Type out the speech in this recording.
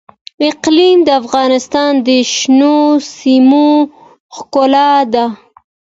اقلیم د افغانستان د شنو سیمو ښکلا ده.